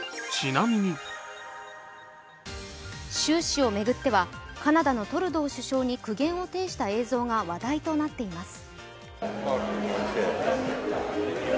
習氏を巡ってはカナダのトルドー首相に苦言を呈した映像が話題となっています。